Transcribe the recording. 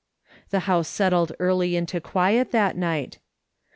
The house settled early into quiet that night.